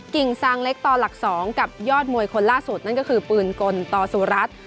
กิ่งซางเล็กต่อหลัก๒กับยอดมวยคนล่าสุดนั่นก็คือปืนกลต่อสุรัตน์